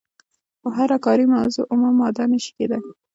خو هره کاري موضوع اومه ماده نشي کیدای.